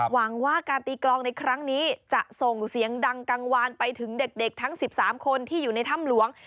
หวังว่าการตีกลองในครั้งนี้จะส่งเสียงดังกังวานไปถึงเด็กทั้ง๑๓คนที่อยู่ในถ้ำหลวง